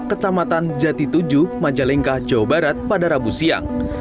kecamatan jati tujuh majalengka jawa barat pada rabu siang